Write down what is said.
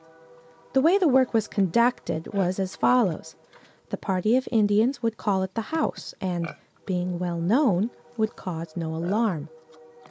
The way the work was conducted, was as follows: The party of Indians would call at the house, and, being well known, would cause no alarm.